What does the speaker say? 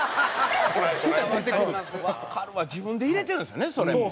自分で入れてるんですよねそれも。